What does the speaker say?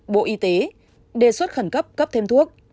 bộ y tế đề xuất khẩn cấp cấp thêm thuốc